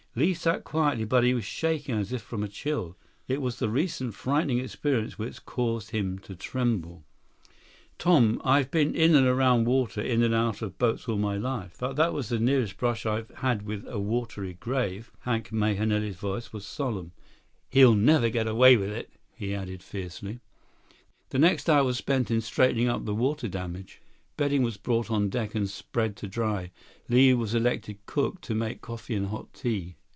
Li sat quietly, but he was shaking as if from a chill. It was the recent frightening experience which caused him to tremble. 107 "Tom, I've been in and around water, in and out of boats all my life. But that was the nearest brush I've ever had with a watery grave." Hank Mahenili's voice was solemn. "He'll never get away with it," he added fiercely. The next hour was spent in straightening up the water damage. Bedding was brought on deck and spread to dry. Li was elected cook, to make coffee and hot tea.